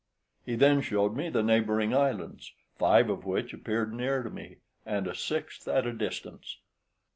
He then showed me the neighbouring islands, five of which appeared near to me, and a sixth at a distance.